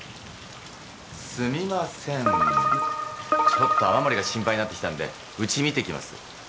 ちょっと雨漏りが心配になってきたんでうち見てきます。